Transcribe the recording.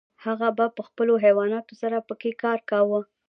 هغه به په خپلو حیواناتو سره پکې کار کاوه.